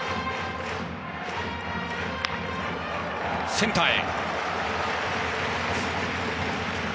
センターへ。